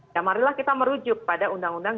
ya marilah kita merujuk pada undang undang